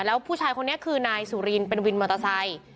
แล้วผู้ชายคนนี้คือนายสุรินเป็นวินมอเตอร์ไซค์